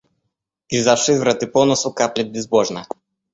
И за шиворот и по носу каплет безбожно.